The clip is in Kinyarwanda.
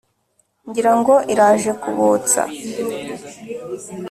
ngira ngo iraje kubotsa.